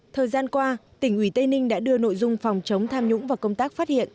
thời gian qua tỉnh ủy tây ninh đã đưa nội dung phòng chống tham nhũng vào công tác phát hiện